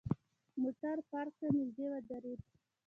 موټر پارک ته نژدې ودرید.